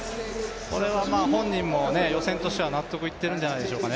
本人も予選としては納得がいっているんじゃないでしょうか。